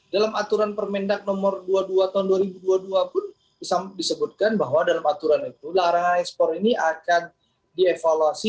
dalam aturan permendak nomor dua puluh dua tahun dua ribu dua puluh dua pun disebutkan bahwa dalam aturan itu larangan ekspor ini akan dievaluasi